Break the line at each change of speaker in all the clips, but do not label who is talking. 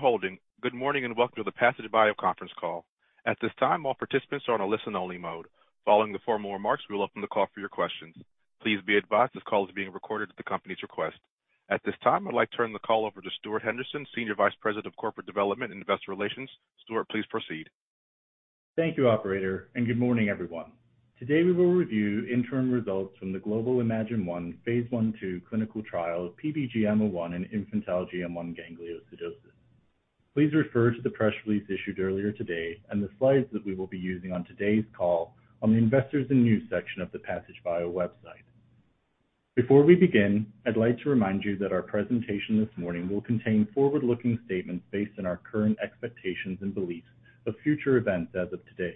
Thank you for holding. Good morning, and welcome to the Passage Bio Conference Call. At this time, all participants are on a listen-only mode. Following the formal remarks, we will open the call for your questions. Please be advised, this call is being recorded at the company's request. At this time, I'd like to turn the call over to Stuart Henderson, Senior Vice President of Corporate Development and Investor Relations. Stuart, please proceed.
Thank you, operator, and good morning, everyone. Today, we will review interim results from the global IMAGINE-1 phase I/II clinical trial of PBGM01 in infantile GM1 gangliosidosis. Please refer to the press release issued earlier today and the slides that we will be using on today's call on the Investors and News section of the Passage Bio website. Before we begin, I'd like to remind you that our presentation this morning will contain forward-looking statements based on our current expectations and beliefs of future events as of today.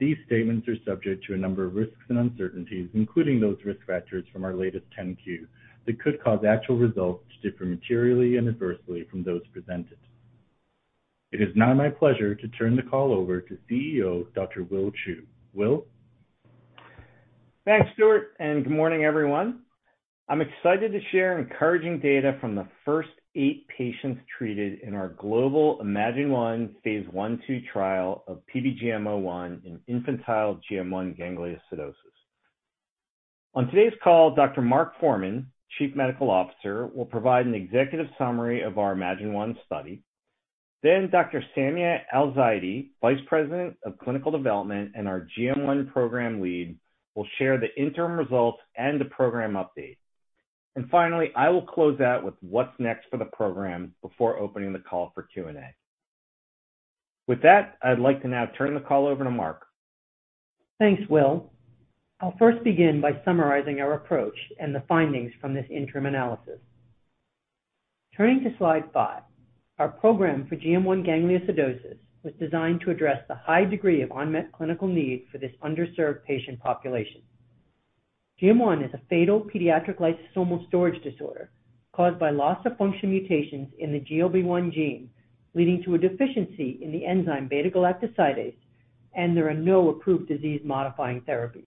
These statements are subject to a number of risks and uncertainties, including those risk factors from our latest 10-Q, that could cause actual results to differ materially and adversely from those presented. It is now my pleasure to turn the call over to CEO, Dr. Will Chou. Will?
Thanks, Stuart, and good morning, everyone. I'm excited to share encouraging data from the first 8 patients treated in our global IMAGINE-1 phase I/2 trial of PBGM01 in infantile GM1 gangliosidosis. On today's call, Dr. Mark Forman, Chief Medical Officer, will provide an executive summary of our IMAGINE-1 study. Dr. Samiah Al-Zaidy, Vice President of Clinical Development and our GM1 Program Lead, will share the interim results and the program update. Finally, I will close out with what's next for the program before opening the call for Q&A. With that, I'd like to now turn the call over to Mark.
Thanks, Will. I'll first begin by summarizing our approach and the findings from this interim analysis. Turning to Slide 5, our program for GM1 gangliosidosis was designed to address the high degree of unmet clinical need for this underserved patient population. GM1 is a fatal pediatric lysosomal storage disorder caused by loss-of-function mutations in the GLB1 gene, leading to a deficiency in the enzyme beta-galactosidase. There are no approved disease-modifying therapies.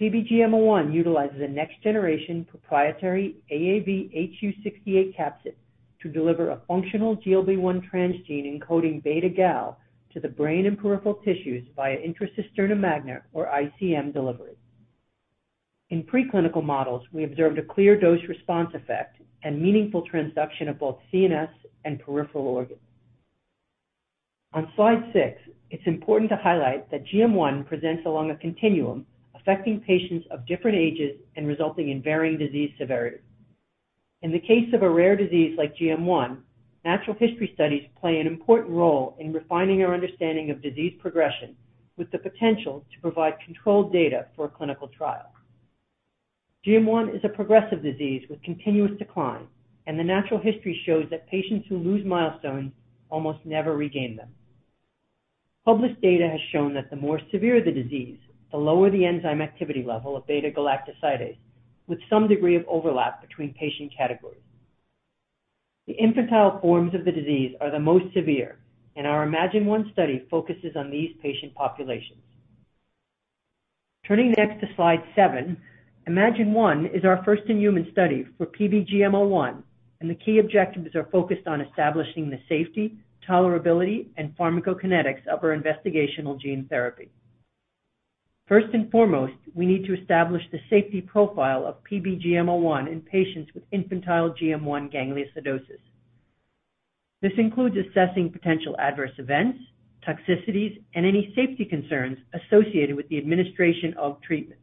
PBGM01 utilizes a next-generation proprietary AAVhu68 capsid to deliver a functional GLB1 transgene encoding beta-gal to the brain and peripheral tissues via intracisterna magna or ICM delivery. In preclinical models, we observed a clear dose-response effect and meaningful transduction of both CNS and peripheral organs. On Slide 6, it's important to highlight that GM1 presents along a continuum, affecting patients of different ages and resulting in varying disease severity. In the case of a rare disease like GM1, natural history studies play an important role in refining our understanding of disease progression, with the potential to provide controlled data for a clinical trial. GM1 is a progressive disease with continuous decline, and the natural history shows that patients who lose milestones almost never regain them. Published data has shown that the more severe the disease, the lower the enzyme activity level of beta-galactosidase, with some degree of overlap between patient categories. The infantile forms of the disease are the most severe, and our IMAGINE-1 study focuses on these patient populations. Turning next to Slide 7, IMAGINE-1 is our first-in-human study for PBGM01, and the key objectives are focused on establishing the safety, tolerability, and pharmacokinetics of our investigational gene therapy. First and foremost, we need to establish the safety profile of PBGM01 in patients with infantile GM1 gangliosidosis. This includes assessing potential adverse events, toxicities, and any safety concerns associated with the administration of treatment.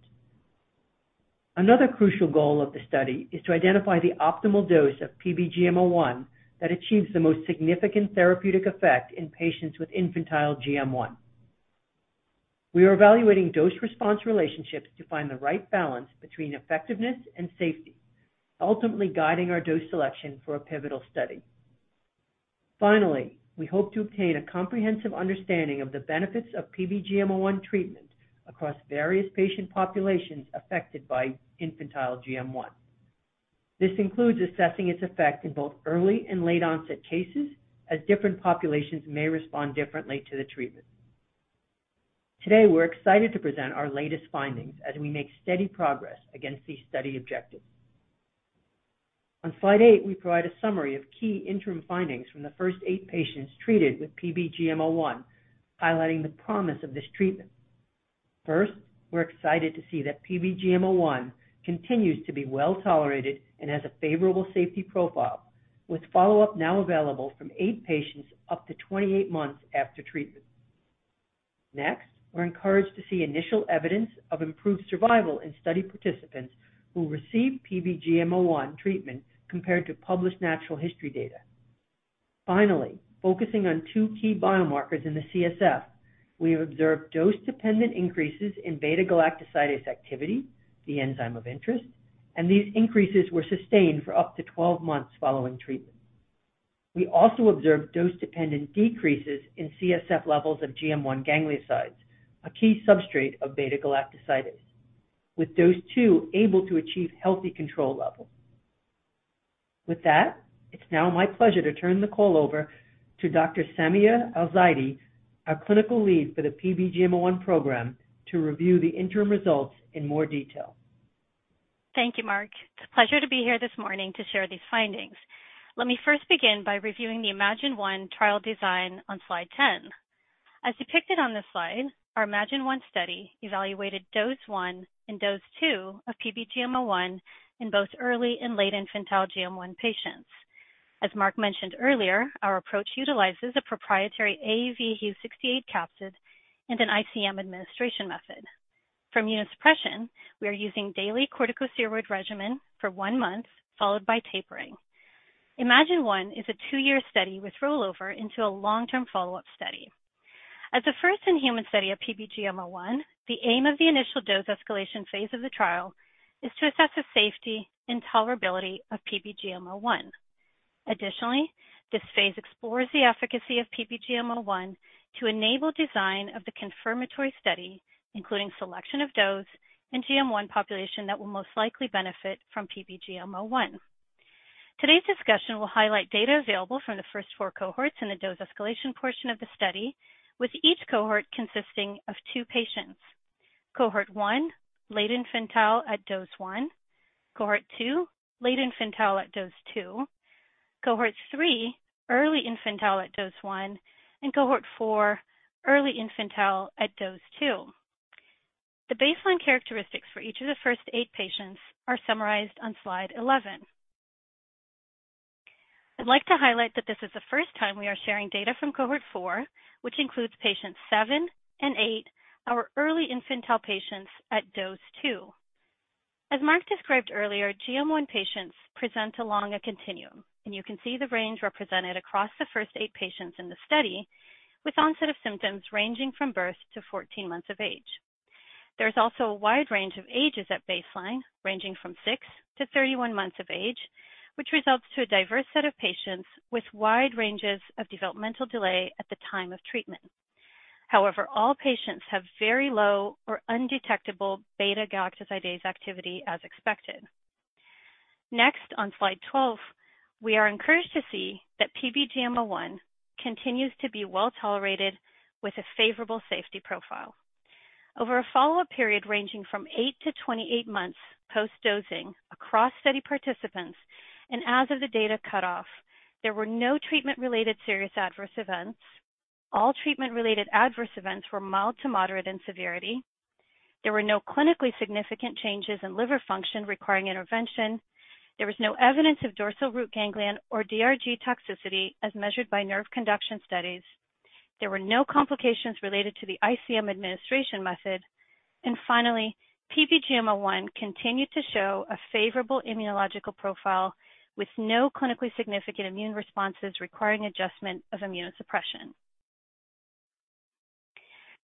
Another crucial goal of the study is to identify the optimal dose of PBGM01 that achieves the most significant therapeutic effect in patients with infantile GM1. We are evaluating dose-response relationships to find the right balance between effectiveness and safety, ultimately guiding our dose selection for a pivotal study. Finally, we hope to obtain a comprehensive understanding of the benefits of PBGM01 treatment across various patient populations affected by infantile GM1. This includes assessing its effect in both early and late-onset cases, as different populations may respond differently to the treatment. Today, we're excited to present our latest findings as we make steady progress against these study objectives. On slide eight, we provide a summary of key interim findings from the first eight patients treated with PBGM01, highlighting the promise of this treatment. First, we're excited to see that PBGM01 continues to be well-tolerated and has a favorable safety profile, with follow-up now available from eight patients up to 28 months after treatment. Next, we're encouraged to see initial evidence of improved survival in study participants who received PBGM01 treatment compared to published natural history data. Finally, focusing on two key biomarkers in the CSF, we have observed dose-dependent increases in beta-galactosidase activity, the enzyme of interest, and these increases were sustained for up to 12 months following treatment. We also observed dose-dependent decreases in CSF levels of GM1 gangliosides, a key substrate of beta-galactosidase, with Dose 2 able to achieve healthy control levels. With that, it's now my pleasure to turn the call over to Dr. Samiah Al-Zaidy, our clinical lead for the PBGM01 program, to review the interim results in more detail.
Thank you, Mark. It's a pleasure to be here this morning to share these findings. Let me first begin by reviewing the IMAGINE-1 trial design on slide 10. As depicted on this slide, our IMAGINE-1 study evaluated Dose 1 and Dose 2 of PBGM01 in both early and late infantile GM1 patients. As Mark mentioned earlier, our approach utilizes a proprietary AAVhu68 capsid and an ICM administration method. For immunosuppression, we are using daily corticosteroid regimen for one month, followed by tapering. IMAGINE-1 is a two-year study with rollover into a long-term follow-up study. As the first-in-human study of PBGM01, the aim of the initial dose escalation phase of the trial is to assess the safety and tolerability of PBGM01. Additionally, this phase explores the efficacy of PBGM01 to enable design of the confirmatory study, including selection of dose and GM1 population that will most likely benefit from PBGM01. Today's discussion will highlight data available from the first four cohorts in the dose escalation portion of the study, with each cohort consisting of two patients. Cohort 1, late infantile at Dose 1; Cohort 2, late infantile at Dose 2; Cohort 3, early infantile at Dose 1; and Cohort 4, early infantile at Dose 2. The baseline characteristics for each of the first eight patients are summarized on Slide 11. I'd like to highlight that this is the first time we are sharing data from Cohort 4, which includes patients seven and eight, our early infantile patients at Dose 2. As Mark described earlier, GM1 patients present along a continuum, and you can see the range represented across the first eight patients in the study, with onset of symptoms ranging from birth to 14 months of age. There is also a wide range of ages at baseline, ranging from 6-31 months of age, which results to a diverse set of patients with wide ranges of developmental delay at the time of treatment. However, all patients have very low or undetectable beta-galactosidase activity, as expected. Next, on Slide 12, we are encouraged to see that PBGM01 continues to be well-tolerated with a favorable safety profile. Over a follow-up period ranging from 8-28 months post-dosing across study participants and as of the data cutoff, there were no treatment-related serious adverse events. All treatment-related adverse events were mild to moderate in severity. There were no clinically significant changes in liver function requiring intervention. There was no evidence of dorsal root ganglion or DRG toxicity as measured by nerve conduction studies. There were no complications related to the ICM administration method. Finally, PBGM01 continued to show a favorable immunological profile with no clinically significant immune responses requiring adjustment of immunosuppression.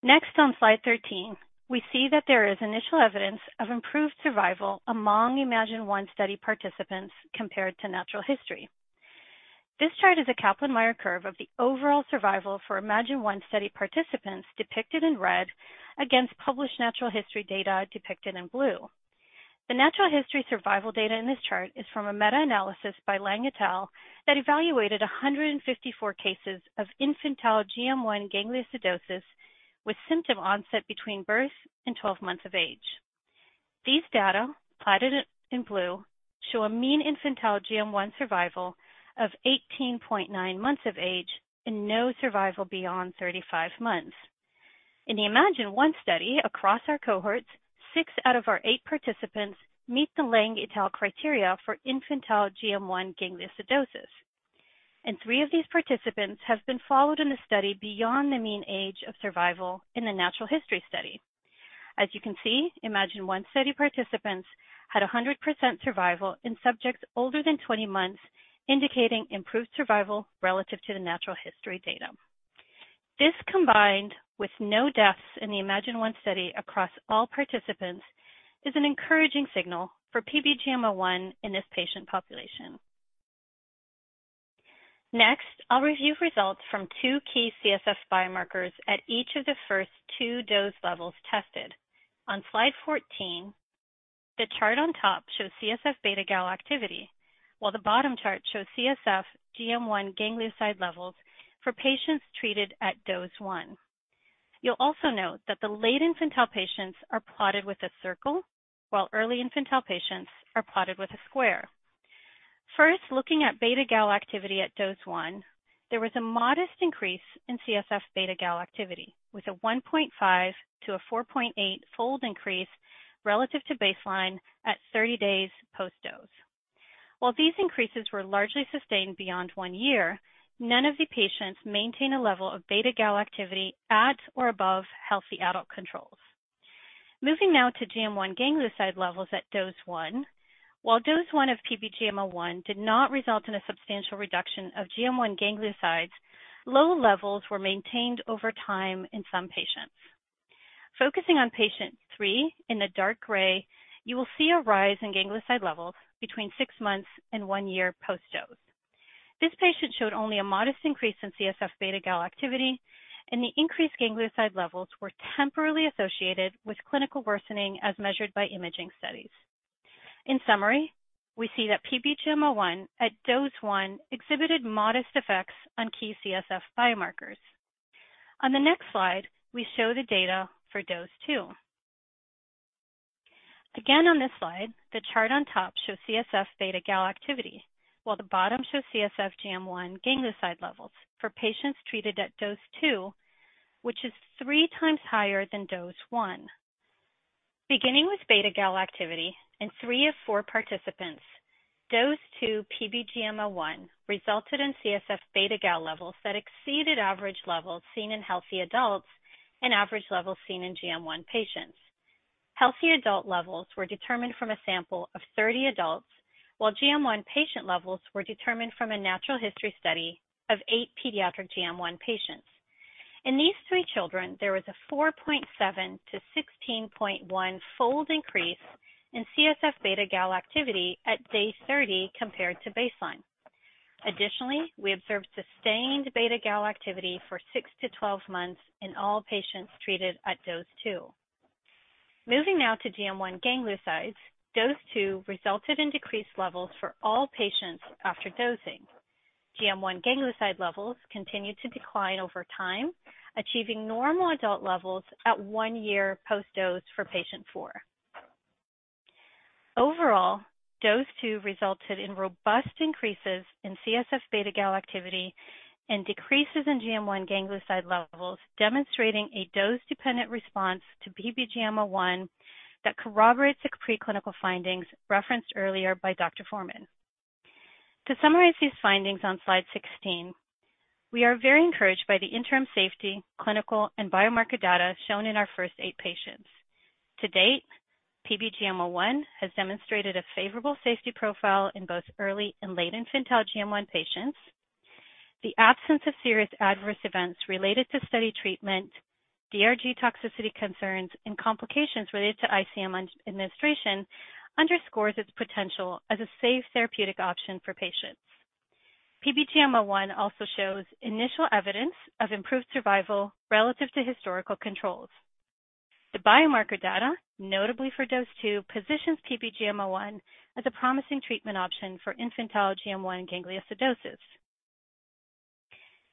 Next, on Slide 13, we see that there is initial evidence of improved survival among IMAGINE-1 study participants compared to natural history. This chart is a Kaplan-Meier curve of the overall survival for IMAGINE-1 study participants, depicted in red, against published natural history data, depicted in blue. The natural history survival data in this chart is from a meta-analysis by Lang et al. that evaluated 154 cases of infantile GM1 gangliosidosis with symptom onset between birth and 12 months of age. These data, plotted in blue, show a mean infantile GM1 survival of 18.9 months of age and no survival beyond 35 months. In the IMAGINE-1 study, across our cohorts, six out of our eight participants meet the Lang et al. criteria for infantile GM1 gangliosidosis, and three of these participants have been followed in the study beyond the mean age of survival in the natural history study. As you can see, IMAGINE-1 study participants had a 100% survival in subjects older than 20 months, indicating improved survival relative to the natural history data. This, combined with no deaths in the IMAGINE-1 study across all participants, is an encouraging signal for PBGM01 in this patient population. Next, I'll review results from two key CSF biomarkers at each of the first two dose levels tested. On slide 14, the chart on top shows CSF β-gal activity, while the bottom chart shows CSF GM1 ganglioside levels for patients treated at Dose 1. You'll also note that the late infantile patients are plotted with a circle, while early infantile patients are plotted with a square. First, looking at β-gal activity at Dose 1, there was a modest increase in CSF β-gal activity, with a 1.5- to 4.8-fold increase relative to baseline at 30 days post-dose. While these increases were largely sustained beyond one year, none of the patients maintained a level of β-gal activity at or above healthy adult controls. Moving now to GM1 ganglioside levels at Dose 1. While Dose 1 of PBGM01 did not result in a substantial reduction of GM1 gangliosides, low levels were maintained over time in some patients. Focusing on patient 3 in the dark gray, you will see a rise in ganglioside levels between six months and one year post-dose. This patient showed only a modest increase in CSF β-gal activity, and the increased ganglioside levels were temporarily associated with clinical worsening as measured by imaging studies. In summary, we see that PBGM01 at Dose 1 exhibited modest effects on key CSF biomarkers. On the next slide, we show the data for Dose 2. Again, on this slide, the chart on top shows CSF β-gal activity, while the bottom shows CSF GM1 ganglioside levels for patients treated at Dose 2, which is 3 times higher than Dose 1. Beginning with β-gal activity in three of four participants, Dose 2 PBGM01 resulted in CSF β-gal levels that exceeded average levels seen in healthy adults and average levels seen in GM1 patients. Healthy adult levels were determined from a sample of 30 adults, while GM1 patient levels were determined from a natural history study of eight pediatric GM1 patients. In these three children, there was a 4.7 to 16.1 fold increase in CSF beta-gal activity at day 30 compared to baseline. Additionally, we observed sustained beta-gal activity for six to 12 months in all patients treated at Dose 2. Moving now to GM1 gangliosides, Dose 2 resulted in decreased levels for all patients after dosing. GM1 ganglioside levels continued to decline over time, achieving normal adult levels at one year post-dose for patient 4. Overall, Dose 2 resulted in robust increases in CSF beta-gal activity and decreases in GM1 ganglioside levels, demonstrating a dose-dependent response to PBGM01 that corroborates the preclinical findings referenced earlier by Dr. Forman. To summarize these findings on Slide 16, we are very encouraged by the interim safety, clinical, and biomarker data shown in our first eight patients. To date, PBGM01 has demonstrated a favorable safety profile in both early and late infantile GM1 patients. The absence of serious adverse events related to study treatment, DRG toxicity concerns, and complications related to ICM administration underscores its potential as a safe therapeutic option for patients. PBGM01 also shows initial evidence of improved survival relative to historical controls. The biomarker data, notably for dose two, positions PBGM01 as a promising treatment option for infantile GM1 gangliosidosis.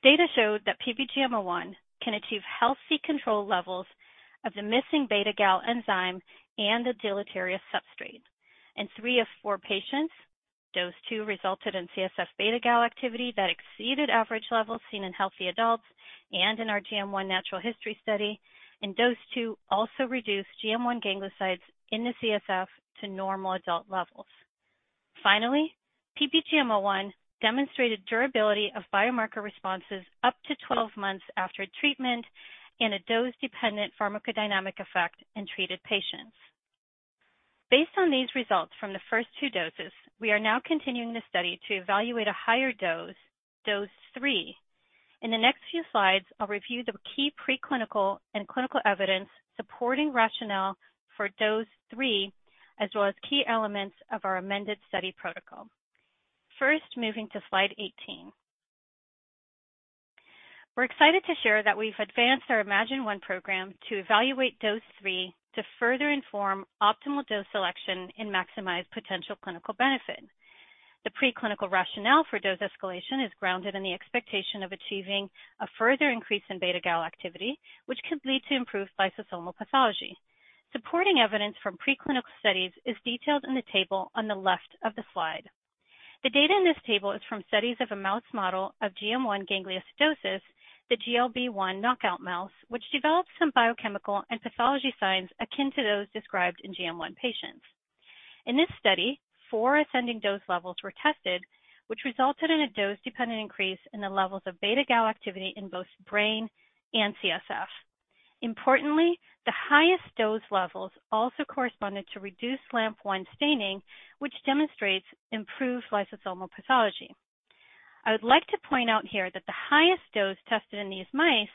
Data showed that PBGM01 can achieve healthy control levels of the missing beta-gal enzyme and the deleterious substrate. In three of four patients, dose two resulted in CSF beta-gal activity that exceeded average levels seen in healthy adults and in our GM1 natural history study. Dose two also reduced GM1 gangliosides in the CSF to normal adult levels. Finally, PBGM01 demonstrated durability of biomarker responses up to 12 months after treatment in a dose-dependent pharmacodynamic effect in treated patients. Based on these results from the first two doses, we are now continuing the study to evaluate a higher dose, dose three. In the next few slides, I'll review the key preclinical and clinical evidence supporting rationale for dose three, as well as key elements of our amended study protocol. First, moving to Slide 18. We're excited to share that we've advanced our IMAGINE-1 program to evaluate dose three to further inform optimal dose selection and maximize potential clinical benefit. The preclinical rationale for dose escalation is grounded in the expectation of achieving a further increase in β-gal activity, which could lead to improved lysosomal pathology. Supporting evidence from preclinical studies is detailed in the table on the left of the slide. The data in this table is from studies of a mouse model of GM1 gangliosidosis, the Glb1 knockout mouse, which develops some biochemical and pathology signs akin to those described in GM1 patients. In this study, 4 ascending dose levels were tested, which resulted in a dose-dependent increase in the levels of β-gal activity in both brain and CSF. Importantly, the highest dose levels also corresponded to reduced LAMP1 staining, which demonstrates improved lysosomal pathology. I would like to point out here that the highest dose tested in these mice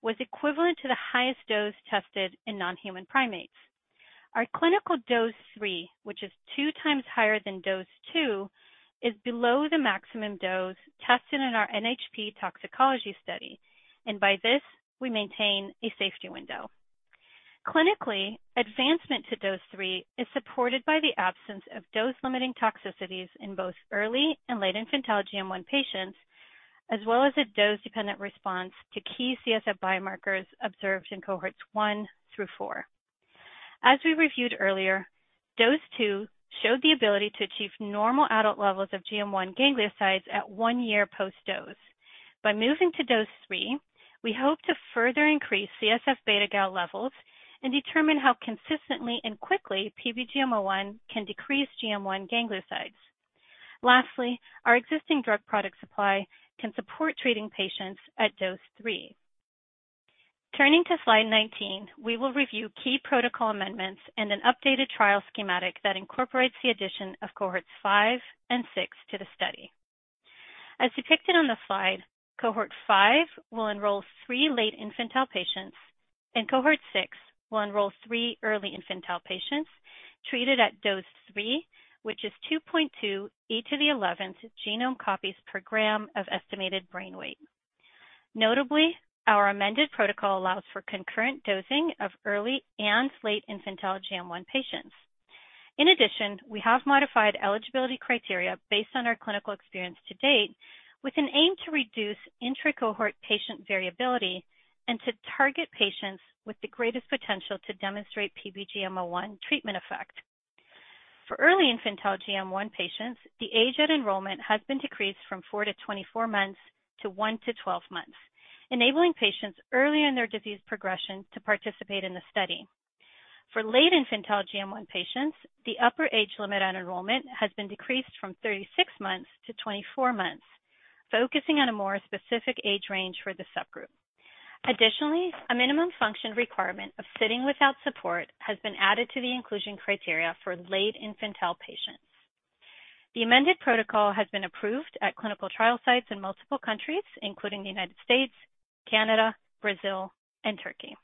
was equivalent to the highest dose tested in non-human primates. Our clinical Dose 3, which is 2x higher than Dose 2, is below the maximum dose tested in our NHP toxicology study. By this, we maintain a safety window. Clinically, advancement to Dose 3 is supported by the absence of dose-limiting toxicities in both early and late infantile GM1 patients, as well as a dose-dependent response to key CSF biomarkers observed in Cohorts 1 through 4. As we reviewed earlier, Dose 2 showed the ability to achieve normal adult levels of GM1 gangliosides at one year post-dose. By moving to Dose 3, we hope to further increase CSF beta-gal levels and determine how consistently and quickly PBGM01 can decrease GM1 gangliosides. Lastly, our existing drug product supply can support treating patients at Dose 3. Turning to slide 19, we will review key protocol amendments and an updated trial schematic that incorporates the addition of Cohorts 5 and 6 to the study. As depicted on the slide, Cohort 5 will enroll 3 late infantile patients, and Cohort 6 will enroll 3 early infantile patients treated at Dose 3, which is 2.2e11 genome copies per gram of estimated brain weight. Notably, our amended protocol allows for concurrent dosing of early and late infantile GM1 patients. In addition, we have modified eligibility criteria based on our clinical experience to date, with an aim to reduce intra-cohort patient variability and to target patients with the greatest potential to demonstrate PBGM01 treatment effect. For early infantile GM1 patients, the age at enrollment has been decreased from 4-24 months to 1-12 months, enabling patients early in their disease progression to participate in the study. For late infantile GM1 patients, the upper age limit at enrollment has been decreased from 36 months to 24 months, focusing on a more specific age range for the subgroup. Additionally, a minimum function requirement of sitting without support has been added to the inclusion criteria for late infantile patients. The amended protocol has been approved at clinical trial sites in multiple countries, including the United States, Canada, Brazil, and Turkey.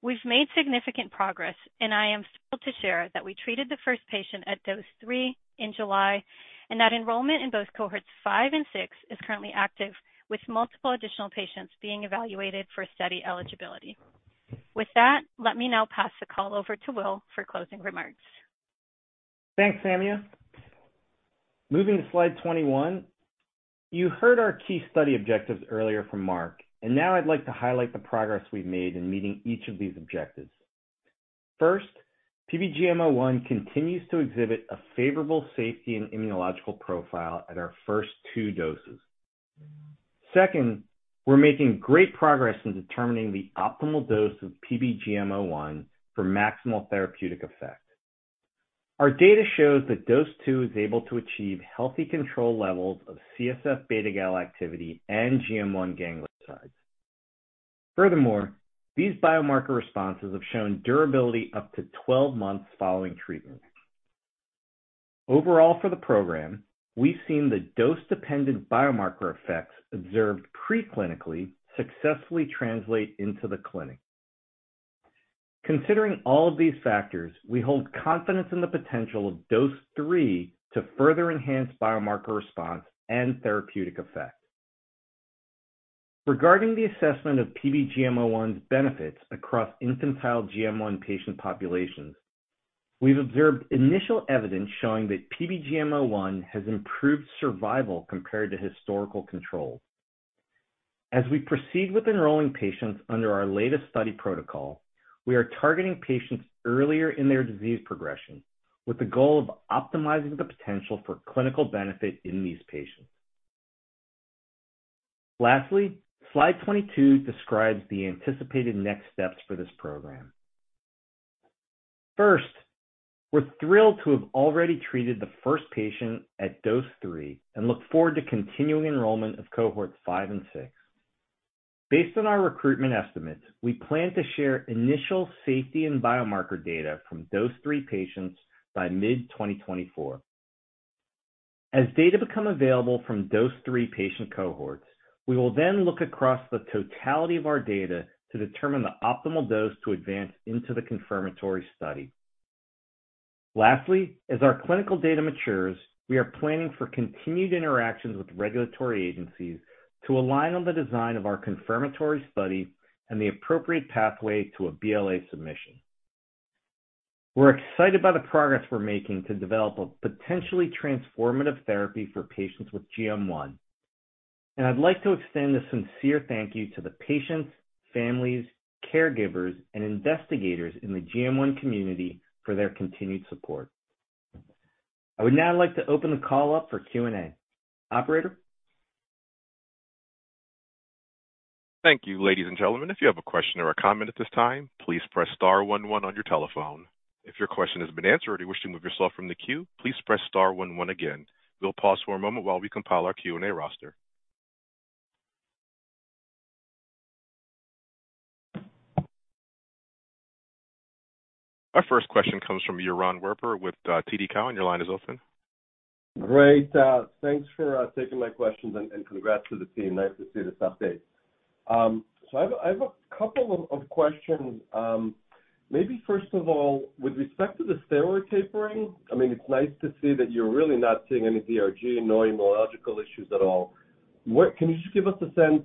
We've made significant progress, and I am thrilled to share that we treated the first patient at Dose 3 in July, and that enrollment in both Cohorts 5 and 6 is currently active, with multiple additional patients being evaluated for study eligibility. With that, let me now pass the call over to Will for closing remarks.
Thanks, Samia. Moving to Slide 21. You heard our key study objectives earlier from Mark. Now I'd like to highlight the progress we've made in meeting each of these objectives. First, PBGM01 continues to exhibit a favorable safety and immunological profile at our first two doses. Second, we're making great progress in determining the optimal dose of PBGM01 for maximal therapeutic effect. Our data shows that Dose 2 is able to achieve healthy control levels of CSF β-gal activity and GM1 gangliosides. Furthermore, these biomarker responses have shown durability up to 12 months following treatment. Overall, for the program, we've seen the dose-dependent biomarker effects observed pre-clinically, successfully translate into the clinic. Considering all of these factors, we hold confidence in the potential of Dose 3 to further enhance biomarker response and therapeutic effect. Regarding the assessment of PBGM01's benefits across infantile GM1 patient populations, we've observed initial evidence showing that PBGM01 has improved survival compared to historical controls. As we proceed with enrolling patients under our latest study protocol, we are targeting patients earlier in their disease progression, with the goal of optimizing the potential for clinical benefit in these patients. Lastly, slide 22 describes the anticipated next steps for this program. First, we're thrilled to have already treated the first patient at Dose 3 and look forward to continuing enrollment of cohorts five and six. Based on our recruitment estimates, we plan to share initial safety and biomarker data from Dose 3 patients by mid-2024. As data become available from Dose 3 patient cohorts, we will then look across the totality of our data to determine the optimal dose to advance into the confirmatory study. Lastly, as our clinical data matures, we are planning for continued interactions with regulatory agencies to align on the design of our confirmatory study and the appropriate pathway to a BLA submission. We're excited by the progress we're making to develop a potentially transformative therapy for patients with GM1, and I'd like to extend a sincere thank you to the patients, families, caregivers, and investigators in the GM1 community for their continued support. I would now like to open the call up for Q&A. Operator?
Thank you, ladies and gentlemen. If you have a question or a comment at this time, please press star one one on your telephone. If your question has been answered or you wish to move yourself from the queue, please press star one one again. We'll pause for a moment while we compile our Q&A roster. Our first question comes from Yaron Werber with TD Cowen. Your line is open.
Great, thanks for taking my questions, and, and congrats to the team. Nice to see this update. I have a couple of questions. Maybe first of all, with respect to the steroid tapering, I mean, it's nice to see that you're really not seeing any DRG, no immunological issues at all. What? Can you just give us a sense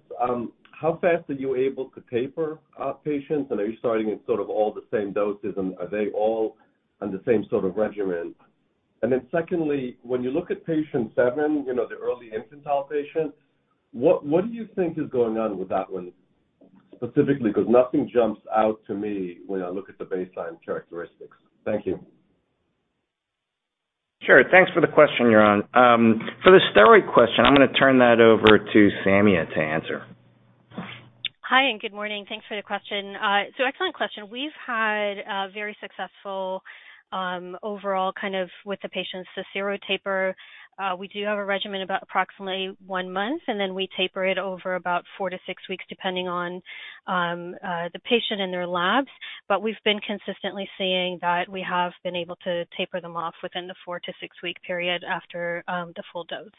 how fast are you able to taper patients? Are you starting in sort of all the same doses, and are they all on the same sort of regimen? Secondly, when you look at Patient 7, you know, the early infantile patient, what do you think is going on with that one specifically? Because nothing jumps out to me when I look at the baseline characteristics. Thank you.
Sure. Thanks for the question, Yaron. For the steroid question, I'm gonna turn that over to Samia to answer.
Hi, good morning. Thanks for the question. Excellent question. We've had a very successful overall kind of with the patients, the zero taper. We do have a regimen about approximately one month, and then we taper it over about four to six weeks, depending on the patient and their labs. We've been consistently seeing that we have been able to taper them off within the four to six week period after the full dose.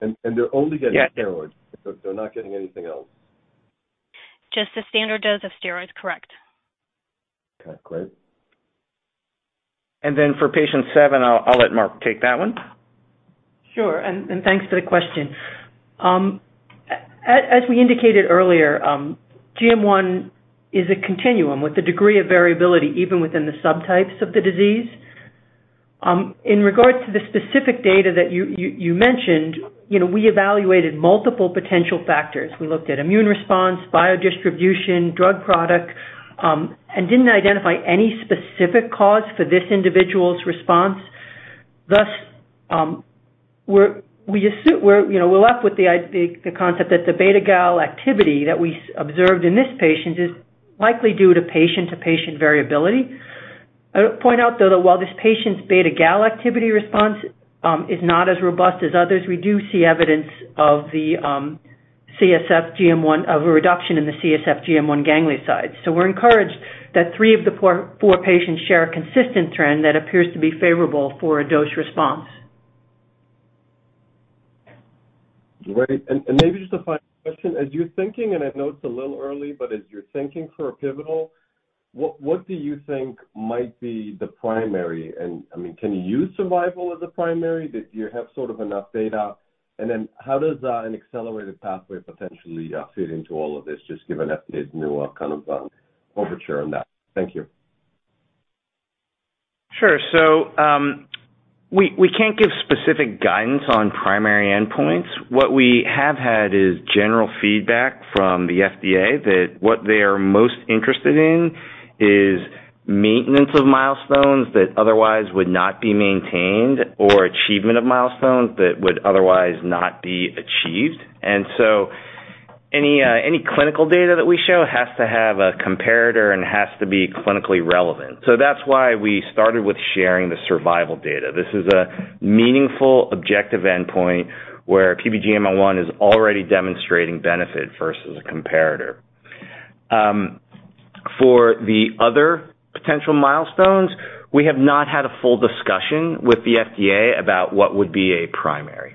and they're only getting-
Yeah
steroids. They're not getting anything else?
Just the standard dose of steroids, correct?
Okay, great.
Then for Patient 7, I'll let Mark take that one.
Sure, and, and thanks for the question. As we indicated earlier, GM1 is a continuum with a degree of variability, even within the subtypes of the disease. In regards to the specific data that you, you, you mentioned, you know, we evaluated multiple potential factors. We looked at immune response, biodistribution, drug product, and didn't identify any specific cause for this individual's response. Thus, we're, we assume we're, you know, we're left with the the concept that the β-gal activity that we observed in this patient is likely due to patient-to-patient variability. I would point out, though, that while this patient's β-gal activity response is not as robust as others, we do see evidence of the CSF GM1, of a reduction in the CSF GM1 ganglioside. We're encouraged that three of the four, four patients share a consistent trend that appears to be favorable for a dose response.
Great. And maybe just a final question. As you're thinking, and I know it's a little early, but as you're thinking for a pivotal, what, what do you think might be the primary? I mean, can you use survival as a primary? Did you have sort of enough data? How does an accelerated pathway potentially fit into all of this? Just give an updated new, kind of, overture on that. Thank you.
Sure. We, we can't give specific guidance on primary endpoints. What we have had is general feedback from the FDA that what they are most interested in is maintenance of milestones that otherwise would not be maintained, or achievement of milestones that would otherwise not be achieved. Any clinical data that we show has to have a comparator and has to be clinically relevant. That's why we started with sharing the survival data. This is a meaningful, objective endpoint where PBGM01 is already demonstrating benefit versus a comparator. For the other potential milestones, we have not had a full discussion with the FDA about what would be a primary.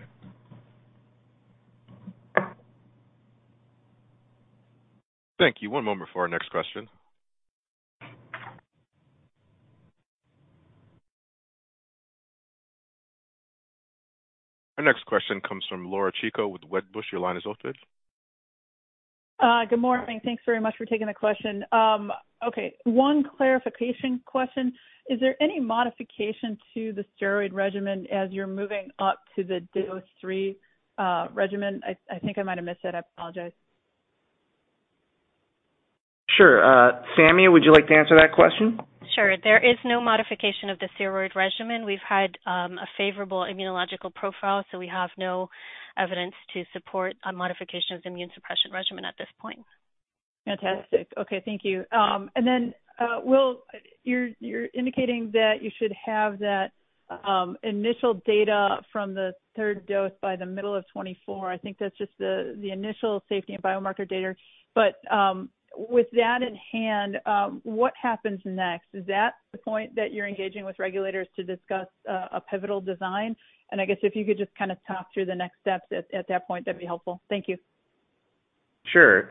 Thank you. One moment for our next question. Our next question comes from Laura Chico with Wedbush. Your line is open.
Good morning. Thanks very much for taking the question. Okay, one clarification question. Is there any modification to the steroid regimen as you're moving up to the Dose 3, regimen? I, I think I might have missed it. I apologize.
Sure. Samiah, would you like to answer that question?
Sure. There is no modification of the steroid regimen. We've had a favorable immunological profile, so we have no evidence to support a modification of the immune suppression regimen at this point.
Fantastic. Okay, thank you. Then, Will, you're, you're indicating that you should have that, initial data from the third dose by the middle of 2024. I think that's just the, the initial safety and biomarker data. With that in hand, what happens next? Is that the point that you're engaging with regulators to discuss, a pivotal design? I guess if you could just kind of talk through the next steps at, at that point, that'd be helpful. Thank you.
Sure.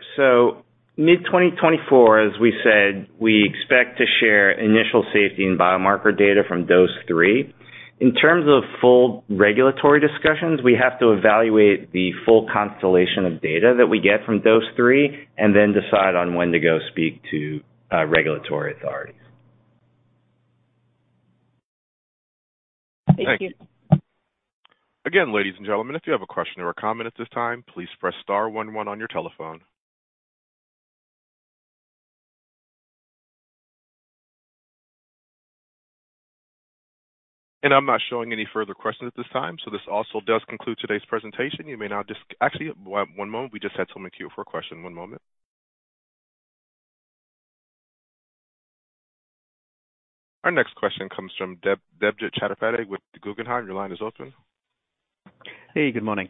Mid-2024, as we said, we expect to share initial safety and biomarker data from Dose 3. In terms of full regulatory discussions, we have to evaluate the full constellation of data that we get from Dose 3 and then decide on when to go speak to regulatory authorities.
Thank you.
Again, ladies and gentlemen, if you have a question or a comment at this time, please press star one one on your telephone. I'm not showing any further questions at this time, this also does conclude today's presentation. You may now actually, one moment, we just had someone queue for a question. one moment. Our next question comes from Deb, Debjit Chattopadhyay with Guggenheim. Your line is open.
Hey, good morning.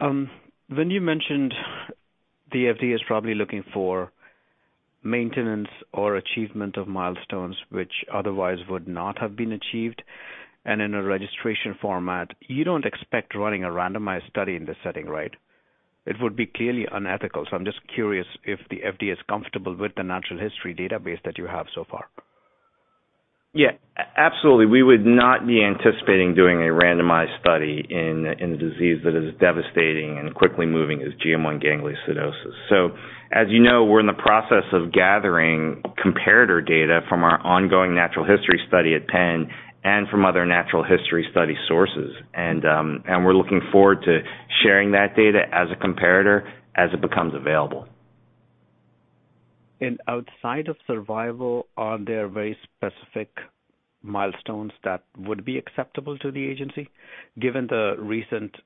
When you mentioned the FDA is probably looking for maintenance or achievement of milestones which otherwise would not have been achieved and in a registration format, you don't expect running a randomized study in this setting, right? It would be clearly unethical. I'm just curious if the FDA is comfortable with the natural history database that you have so far.
Absolutely. We would not be anticipating doing a randomized study in, in a disease that is devastating and quickly moving as GM1 gangliosidosis. As you know, we're in the process of gathering comparator data from our ongoing natural history study at Penn and from other natural history study sources. We're looking forward to sharing that data as a comparator as it becomes available.
Outside of survival, are there very specific milestones that would be acceptable to the agency, given the recent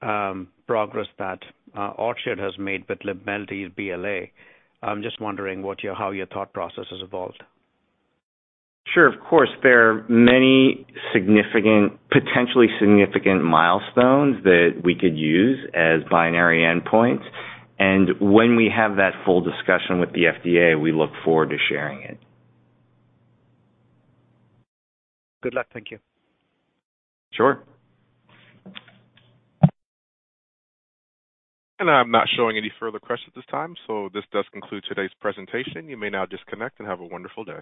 progress that Orchard has made with LIBMELDY's BLA? I'm just wondering what your, how your thought process has evolved.
Sure. Of course, there are many significant, potentially significant milestones that we could use as binary endpoints, and when we have that full discussion with the FDA, we look forward to sharing it.
Good luck. Thank you.
Sure.
I'm not showing any further questions at this time, so this does conclude today's presentation. You may now disconnect and have a wonderful day.